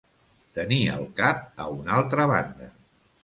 Tenir el cap a una altra banda.